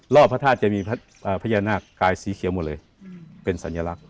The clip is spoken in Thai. พระธาตุจะมีพญานาคกายสีเขียวหมดเลยเป็นสัญลักษณ